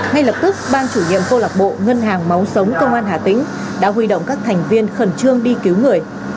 ngay lập tức ban chủ nhiệm câu lạc bộ ngân hàng máu sống công an hà tĩnh đã huy động các thành viên khẩn trương đi cứu người